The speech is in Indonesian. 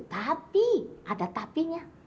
tapi ada tapinya